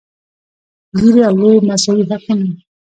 ګېري او لويي مساوي حقونه لري.